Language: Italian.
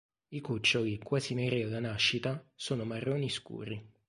I cuccioli, quasi neri alla nascita, sono marroni scuri.